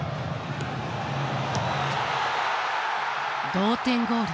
同点ゴール。